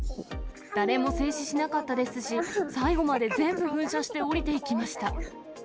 誰も制止しなかったですし、最後まで全部噴射して降りていき